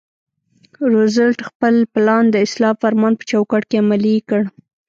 روزولټ خپل پلان د اصلاح فرمان په چوکاټ کې عملي کړ.